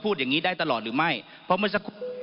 ผมวินิจฉัยแล้วตะกี้นี้ว่าอ่ะ